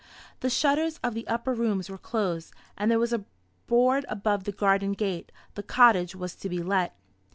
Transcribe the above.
The shutters of the upper rooms were closed, and there was a board above the garden gate. The cottage was to be let.